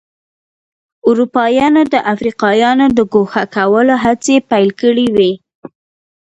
اروپایانو د افریقایانو د ګوښه کولو هڅې پیل کړې وې.